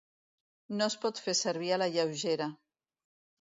No es pot fer servir a la lleugera.